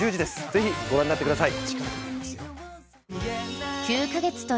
ぜひご覧になってください。